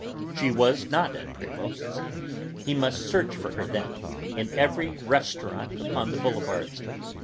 She was not at Prevost's; he must search for her, then, in every restaurant upon the boulevards.